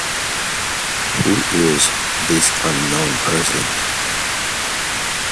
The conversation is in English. Who is this unknown person?